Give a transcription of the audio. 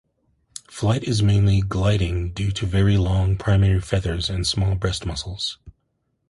Flight is mainly gliding due to very long primary feathers and small breast muscles.